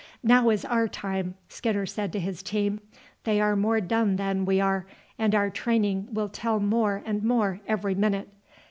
"Now is our time," Skinner said to his team; "they are more done than we are, and our training will tell more and more every minute.